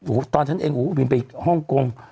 โหตอนฉันเองอู๋บินไปห้องกง